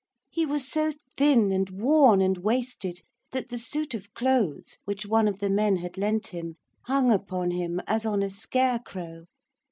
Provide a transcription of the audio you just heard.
He was so thin, and worn, and wasted, that the suit of clothes which one of the men had lent him hung upon him as on a scarecrow.